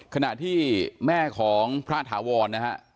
ขณะที่แม่ของพระถาวรนะฮะ